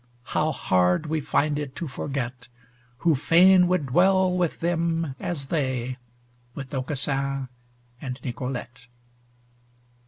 How hard we find it to forget, Who fain would dwell with them as they, With Aucassin and Nicolete.